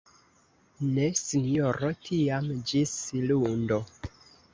Ne Sinjoro tiam ĝis lundo!